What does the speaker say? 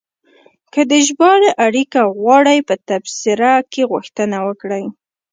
که د ژباړې اړیکه غواړئ، په تبصره کې غوښتنه وکړئ.